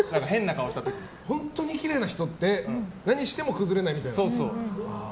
本当にきれいな人って何しても崩れないみたいな。